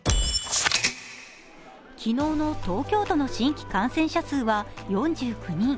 昨日の東京都の新規感染者は４９人。